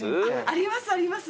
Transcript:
ありますあります。